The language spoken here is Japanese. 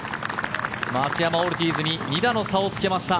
松山、オルティーズに２打の差をつけました。